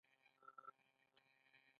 آیا کاناډا د فرنیچر لرګي نلري؟